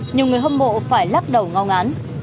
nhiều người hâm mộ phải lắc đầu ngo ngán